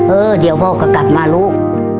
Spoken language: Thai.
เออเดี๋ยวพ่อก็กลับมาลูก